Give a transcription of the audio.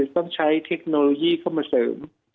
ต้องใช้เทคโนโลยีเข้ามาเสริม